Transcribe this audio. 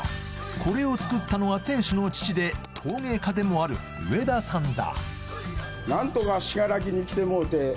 これを作ったのは店主の父で陶芸家でもある上田さんだ